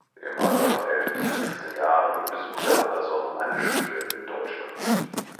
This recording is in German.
Im Alter von elf bis fünfzehn Jahren besuchte Anderson eine Schule in Deutschland.